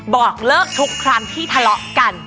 บอกเลิกทุกครั้งที่ทะเลาะกัน